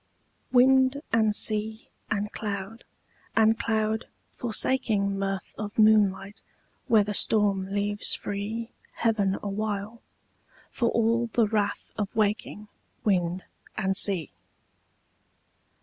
WIND and sea and cloud and cloud forsaking Mirth of moonlight where the storm leaves free Heaven awhile, for all the wrath of waking Wind and sea.